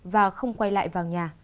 họ không quay lại vào nhà